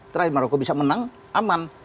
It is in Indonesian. terakhir maroko bisa menang aman